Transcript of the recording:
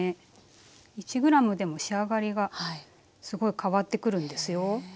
１ｇでも仕上がりがすごい変わってくるんですよ。